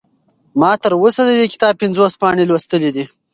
ما تر اوسه د دې کتاب پنځوس پاڼې لوستلي دي.